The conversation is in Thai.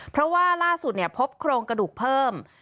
เพราะว่าล่าสุดพบโครงกระดูกเพิ่ม